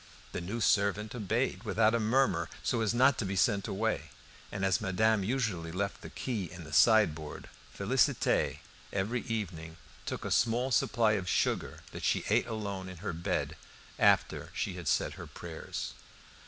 The new servant obeyed without a murmur, so as not to be sent away; and as madame usually left the key in the sideboard, Félicité every evening took a small supply of sugar that she ate alone in her bed after she had said her prayers.